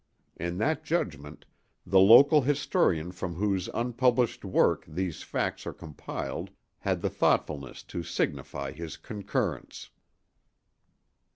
In that judgment the local historian from whose unpublished work these facts are compiled had the thoughtfulness to signify his concurrence.